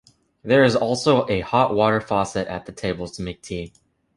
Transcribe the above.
There is also a hot water faucet at the tables to make tea.